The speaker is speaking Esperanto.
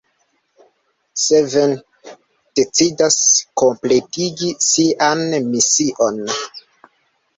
Seven decidas kompletigi sian mision.